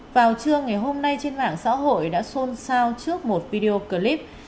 vào trưa ngày hôm nay trên mạng xã hội đã xôn xao trước một video clip